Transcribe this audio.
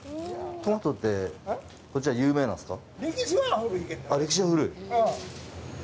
トマトって、こちら、有名なんですか。